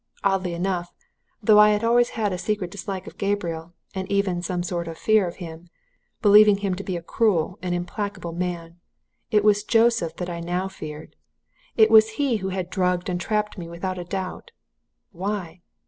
Oddly enough, though I had always had a secret dislike of Gabriel, and even some sort of fear of him, believing him to be a cruel and implacable man, it was Joseph that I now feared. It was he who had drugged and trapped me without a doubt. Why?